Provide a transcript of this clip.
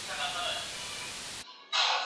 مشران کله د پناه غوښتونکو حقونه پیژني؟